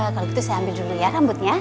kalau gitu saya ambil dulu ya rambutnya